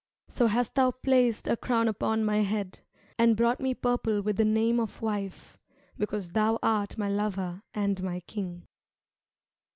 So hast thou placed a crown upon my head And brought me purple with the name of wife, Because thou art my lover and my king.